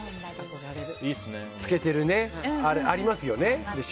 漬けてるね、ありますよね。